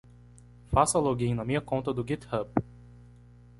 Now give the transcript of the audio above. Faça login na minha conta do github.